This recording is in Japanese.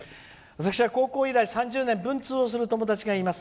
「私は高校以来、３０年文通をする友達がいます。